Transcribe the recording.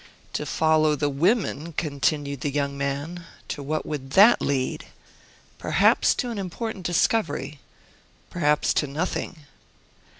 "To follow the women," continued the young man, "to what would that lead? Perhaps to an important discovery, perhaps to nothing."